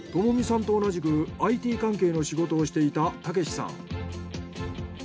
友実さんと同じくＩＴ関係の仕事をしていた雄大さん。